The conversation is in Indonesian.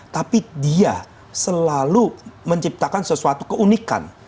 tapi dia selalu menciptakan sesuatu keunikan